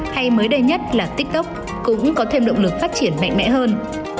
hay mới đây nhất là tiktok cũng có thêm động lực phát triển mạnh mẽ hơn